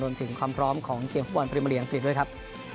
โดนถึงความพร้อมของเกมฟอร์มพริมาเหลี่ยงติดด้วยครับ